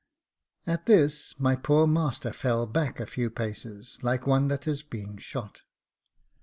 At this my poor master fell back a few paces, like one that had been shot.